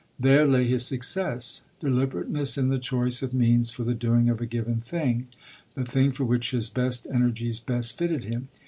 There lay his success: deliberateness in the choice of means for the doing of a given thing, the thing for which his best energies best fitted him.